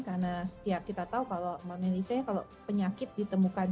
karena setiap kita tahu kalau penyakit ditemukan